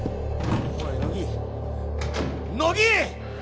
おい乃木乃木！